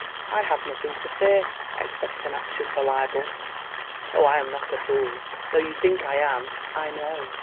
I have nothing to fear, except an action for libel. Oh, I am not a fool, though you think I am, I know.